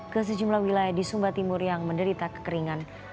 ke sejumlah wilayah di sumba timur yang menderita kekeringan